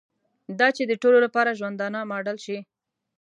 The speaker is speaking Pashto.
دا چې د ټولو لپاره ژوندانه ماډل شي.